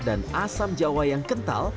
dan asam jawa yang kental